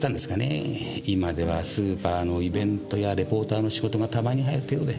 今ではスーパーのイベントやレポーターの仕事がたまに入る程度で。